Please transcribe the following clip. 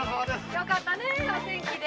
よかったねお天気で。